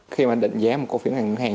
khi mà định giá một cổ phiếu ngành ngân hàng